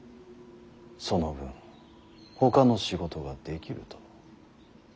その分ほかの仕事ができると。